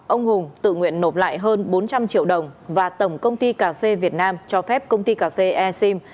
ông hùng tự nguyện nộp lại hơn bốn trăm linh triệu đồng và tổng công ty cà phê việt nam cho phép công ty cà phê e sim